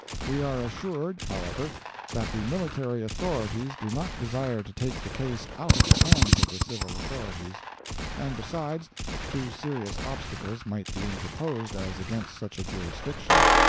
We are assured, however, that the military authorities do not desire to take the case out of the hands of the civil authorities. And besides, two serious obstacles might be interposed as against such a jurisdiction.